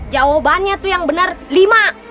jawabannya tuh yang benar lima